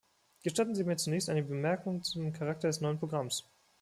Gestatten Sie mir zunächst einige Bemerkungen zum Charakter des neuen Programms.